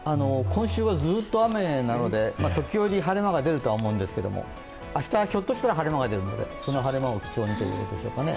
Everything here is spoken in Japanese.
今週はずーっと雨なので、時折晴れ間が出るとは思うんですけれども、明日、ひょっとしたら晴れ間が出るので、その晴れ間を貴重にということですかね。